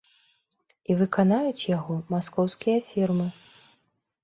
І выканаюць яго маскоўскія фірмы.